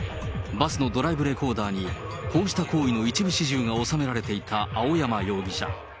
バスのドライブレコーダーに、こうした行為の一部始終が収められていた青山容疑者。